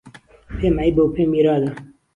پێم عهیبه و پێم ئیراده